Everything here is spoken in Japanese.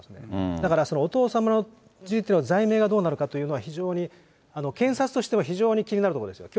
だからそのお父様については、罪名がどうなるかというのは、非常に、検察としては非常に気になるところですよね。